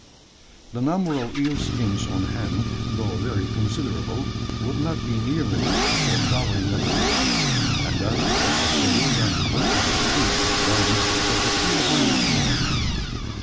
The number of eel skins on hand, though very considerable, would not be near enough for covering a balloon; and therefore Ossaroo went to work with his hooks and lines to catch a few hundreds more.